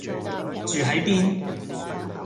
住喺邊